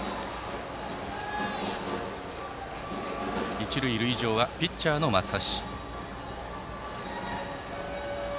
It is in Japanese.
一塁塁上はピッチャーの松橋。